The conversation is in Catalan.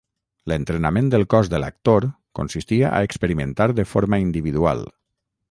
L’entrenament del cos de l’actor consistia a experimentar de forma individual.